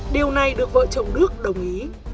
điều này được vợ chồng đức đồng ý